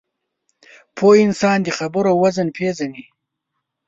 پوه انسان د خبرو وزن پېژني